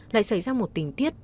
lại xảy ra một tình tiết